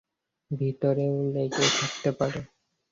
ভিতরেও লেগে থাকতে পারে।